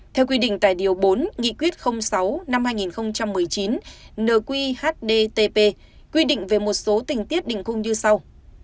theo quy định tại điều bốn nghị quyết sáu hai nghìn một mươi chín nqhd quy định về một số tình tiết định khung như sau